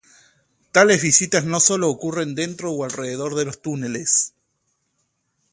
Tales visitas no sólo ocurren dentro o alrededor de los túneles.